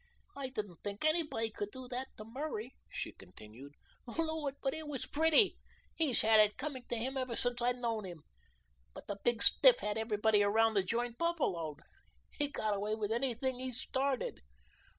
"I didn't think anybody could do that to Murray," she continued. "Lord, but it was pretty. He's had it coming to him ever since I've known him, but the big stiff had everybody around this joint buffaloed. He got away with anything he started."